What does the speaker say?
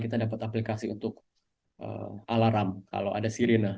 kita dapat aplikasi untuk alarm kalau ada sirine